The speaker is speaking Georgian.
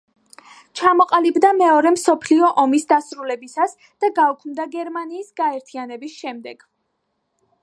ჩამოყალიბდა მეორე მსოფლიო ომის დასრულებისას და გაუქმდა გერმანიის გაერთიანების შემდეგ.